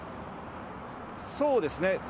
そうですね。